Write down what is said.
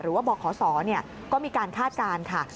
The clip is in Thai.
หรือว่าบขศเนี่ยก็มีการคาดการณ์ค่ะ